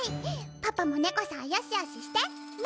パパも猫さんよしよしして。